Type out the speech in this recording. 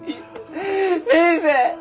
先生！